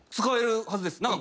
使えるはずです。